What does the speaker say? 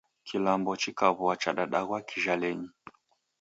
Kilambo chikaw'oa chadadaghwa kijhalenyi